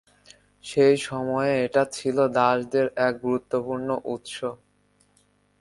সেই সময়ে এটা ছিল দাসদের এক গুরুত্বপূর্ণ উৎস।